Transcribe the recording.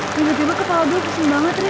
tiba tiba kepala gue kesel banget ris